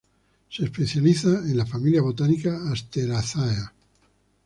Se especializa en la familia botánica Asteraceae.